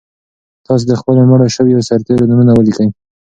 تاسو د خپلو مړو شویو سرتېرو نومونه ولیکئ.